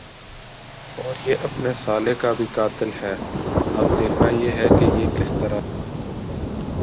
اور یہ اپنے سالے کا بھی قاتل ھے۔ اب دیکھنا یہ ھے کہ یہ کس طرع مرتا ھے۔